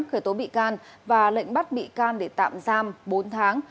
khởi tố bị can và lệnh bắt bị can để tạm giam bốn tháng